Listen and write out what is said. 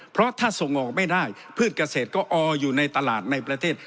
เพราะถ้าส่งออกไม่ได้พืชเกษตรก็ออยู่ในตลาดในประเทศ